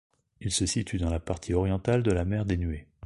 Il se situe dans la partie orientale de la mer des Nuées.